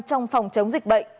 trong phòng chống dịch bệnh